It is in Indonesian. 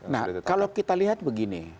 nah kalau kita lihat begini